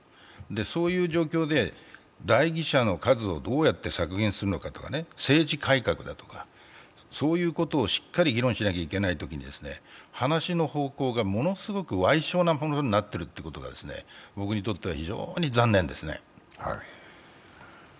そういう状況で代議士の数をどうやって削減するのか、政治改革だとか、そういうことをしっかり議論しなければいけないときに話の方向がものすごく矮小なものになっていることが僕にとっては非常に残念ですね。